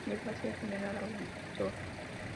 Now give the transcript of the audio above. Llegó a ser general auditor.